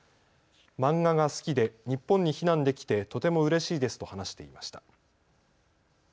漫画が好きで日本に避難できてとてもうれしいですと話していました。